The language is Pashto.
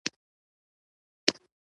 د ښې روغتيا لرلو لپاره بايد ښه خوراک وکړو